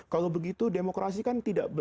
kalau begitu demokrasi kan tidak